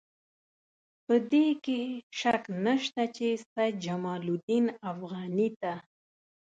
په دې کې شک نشته چې سید جمال الدین افغاني ته.